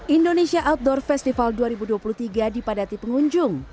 indonesia outdoor festival dua ribu dua puluh tiga dipadati pengunjung